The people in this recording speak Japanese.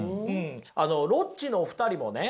あのロッチのお二人もね